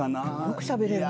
よくしゃべれるね。